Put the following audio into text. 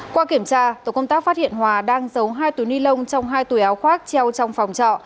qua kiểm tra tổ công tác phát hiện hòa đang giấu hai túi ni lông trong hai tuổi áo khoác treo trong phòng trọ